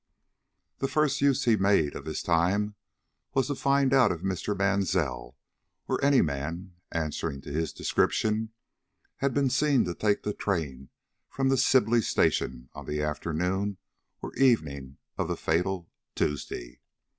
The first use he made of his time was to find out if Mr. Mansell, or any man answering to his description, had been seen to take the train from the Sibley station on the afternoon or evening of the fatal Tuesday.